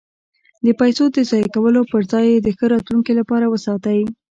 د پیسو د ضایع کولو پرځای یې د ښه راتلونکي لپاره وساتئ.